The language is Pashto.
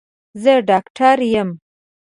زه ډاکټر يم.